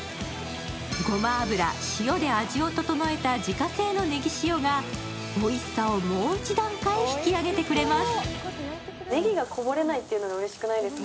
ごま油、塩で味をととのえた自家製のネギ塩がおいしさをもう一段階引き上げてくれます。